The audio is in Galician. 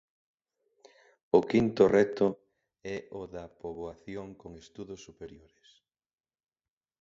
O quinto reto é o da poboación con estudos superiores.